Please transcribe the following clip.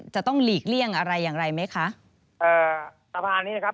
หลีกเลี่ยงอะไรอย่างไรไหมคะอ่าสะพานนี้นะครับ